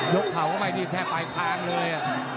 เข่าเข้าไปนี่แทบปลายคางเลย